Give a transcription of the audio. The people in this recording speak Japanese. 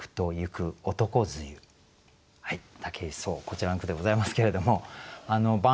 こちらの句でございますけれども輓曳馬